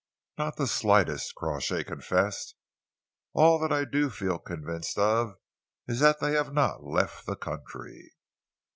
"Not the slightest," Crawshay confessed. "All that I do feel convinced of is that they have not left the country."